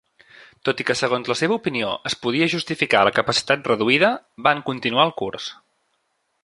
Tot i que, segons la seva opinió, es podia justificar la capacitat reduïda, van continuar el curs.